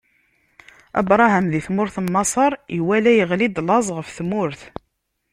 Abṛaham di tmurt n Maṣer iwala iɣli-d laẓ ɣef tmurt.